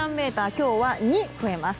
今日は２増えます。